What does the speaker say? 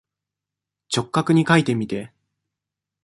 直角にかいてみて。